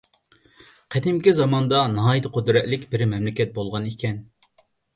قەدىمكى زاماندا ناھايىتى قۇدرەتلىك بىر مەملىكەت بولغان ئىكەن.